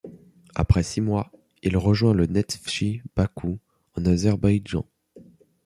Après six mois, il rejoint le Neftchi Bakou en Azerbaïdjan.